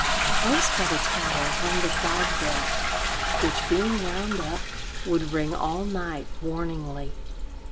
Close by the tower hung the fog bell, which, being wound up, would ring all night, warningly.